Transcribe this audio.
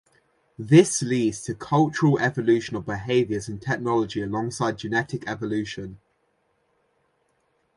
This leads to cultural evolution of behaviors and technology alongside genetic evolution.